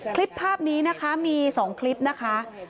คลิปภาพนี้นะคะมี๒คลิปนะคะ